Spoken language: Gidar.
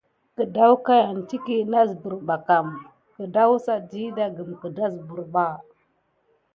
Awfaɗan təkiy nasbər ɓa kam kawusa pak gedasbirba.